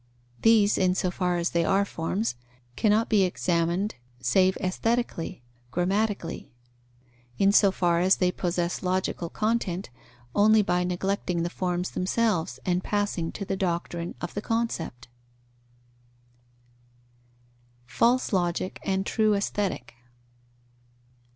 These, in so far as they are forms, cannot be examined save aesthetically (grammatically); in so far as they possess logical content, only by neglecting the forms themselves and passing to the doctrine of the concept. _False Logic and true Aesthetic.